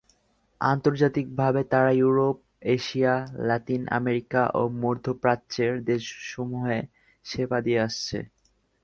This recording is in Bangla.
আন্তর্জাতিকভাবে তারা ইউরোপ, এশিয়া, লাতিন আমেরিকা ও মধ্যপ্রাচ্যের দেশসমূহে সেবা দিয়ে আসছে।